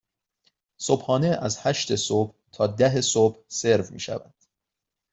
صبحانه از هشت صبح تا ده صبح سرو می شود.